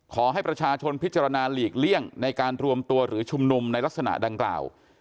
ขอให้ประชาชนพิจารณาหลีกเลี่ยงในการรวมตัวหรือชุมนุมในลักษณะดังกล่าว